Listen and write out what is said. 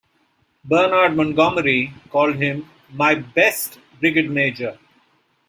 Bernard Montgomery called him "my best brigade major".